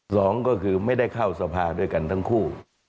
สองก็คือไม่ได้เข้าสภาด้วยกันทั้งคู่